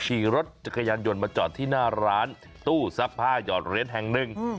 ขี่รถจักรยานยนต์มาจอดที่หน้าร้านตู้ซักผ้าหยอดเหรียญแห่งหนึ่ง